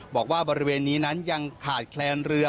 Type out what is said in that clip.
บอกว่าบริเวณนี้นั้นยังขาดแคลนเรือ